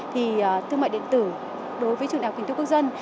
thì thương mại điện tử đối với trường đại học kinh tiêu quốc dân